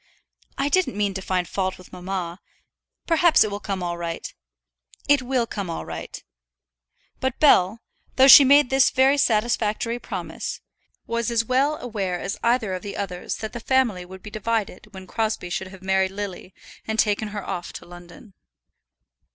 "I didn't mean to find fault with mamma. Perhaps it will come all right." "It will come all right." But Bell, though she made this very satisfactory promise, was as well aware as either of the others that the family would be divided when Crosbie should have married Lily and taken her off to London.